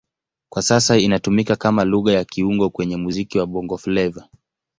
Kwa sasa inatumika kama Lugha ya kiungo kwenye muziki wa Bongo Flava.